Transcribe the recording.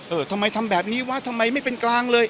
เออทำไมทำแบบนี้วะทำไมไม่เป็นกลางเลย